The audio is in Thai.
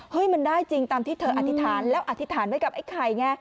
มันได้จริงตามที่เธออธิษฐานแล้วอธิษฐานไว้กับไอ้ไข่ไง